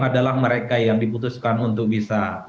adalah mereka yang diputuskan untuk bisa